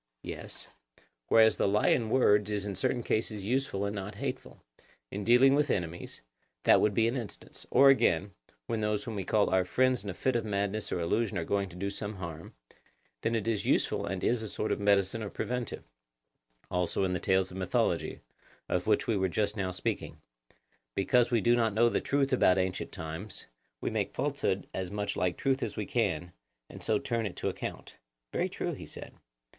Yes. Whereas the lie in words is in certain cases useful and not hateful; in dealing with enemies—that would be an instance; or again, when those whom we call our friends in a fit of madness or illusion are going to do some harm, then it is useful and is a sort of medicine or preventive; also in the tales of mythology, of which we were just now speaking—because we do not know the truth about ancient times, we make falsehood as much like truth as we can, and so turn it to account. Very true, he said.